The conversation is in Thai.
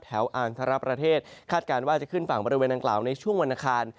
แถวอันทรประเทศคาดการณ์ว่าจะขึ้นฝั่งบริเวณอังกฤษในช่วงวันอาคาร